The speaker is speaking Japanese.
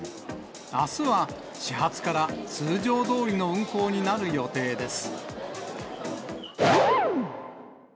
あすは始発から、通常どおりの運行になる予定です。